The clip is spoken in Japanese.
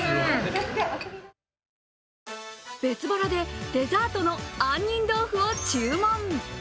別腹でデザートのあんにん豆腐を注文。